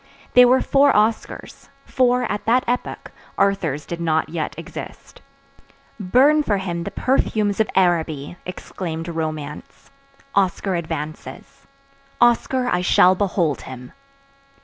They were four Oscars; for, at that epoch, Arthurs did not yet exist. Burn for him the perfumes of Araby! exclaimed romance. _Oscar advances. Oscar, I shall behold him!